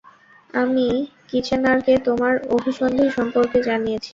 আমি কিচ্যানারকে তোমার অভিসন্ধি সম্পর্কে জানিয়েছি।